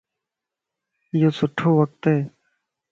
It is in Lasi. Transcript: ايو سٺو وقت ائي